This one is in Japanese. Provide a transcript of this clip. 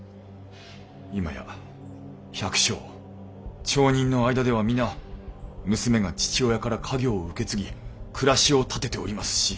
今や百姓町人の間では皆娘が父親から家業を受け継ぎ暮らしを立てておりますし。